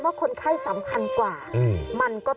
เบื้องต้น๑๕๐๐๐และยังต้องมีค่าสับประโลยีอีกนะครับ